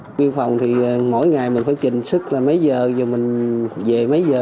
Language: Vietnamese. nguyên phòng thì mỗi ngày mình phải trình sức là mấy giờ giờ mình về mấy giờ